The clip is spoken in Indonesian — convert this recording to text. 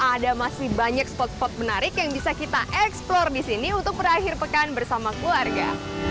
ada masih banyak spot spot menarik yang bisa kita eksplor di sini untuk berakhir pekan bersama keluarga